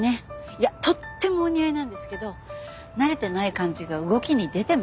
いやとってもお似合いなんですけど慣れてない感じが動きに出てます。